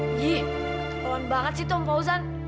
ih keturun banget sih tuan fauzan